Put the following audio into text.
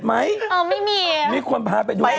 แรกรีมละครไปเป็น๑๐ปี